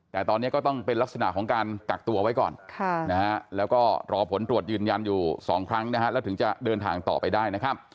แต่ตอนนี้ก็ต้องเป็นลักษณะของการกักตัวไว้ก่อนแล้วก็รอผลตรวจยืนยันอยู่๒ครั้งนะฮะแล้วถึงจะเดินทางต่อไปได้นะครับ